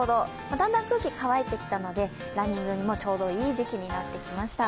だんだん空気が乾いてきたのでランニングにもちょうどいい時期になってきました。